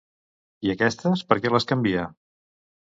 I aquestes, per què les canvia?